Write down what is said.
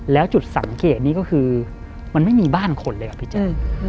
แล้วจุดสังเกตนี้ก็คือมันไม่มีบ้านคนเลยครับพี่แจ๊ค